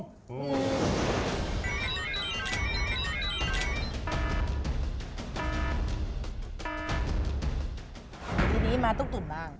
ทีนี้มาตุ๊กตุ๋นบ้าง